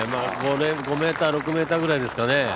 ５ｍ、６ｍぐらいですかね。